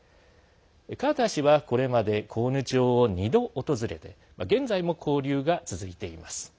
カーター氏はこれまで甲奴町を２度訪れて現在も交流が続いています。